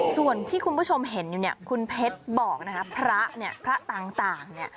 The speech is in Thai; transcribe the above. ส่วนที่คุณผู้ชมเห็นอยู่คุณเพชรบอกพระต่าง